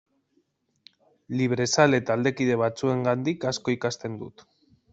Librezale taldekide batzuengandik asko ikasten dut.